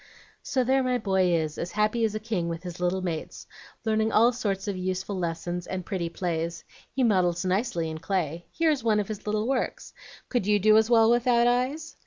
"So there my boy is, as happy as a king with his little mates, learning all sorts of useful lessons and pretty plays. He models nicely in clay. Here is one of his little works. Could you do as well without eyes?"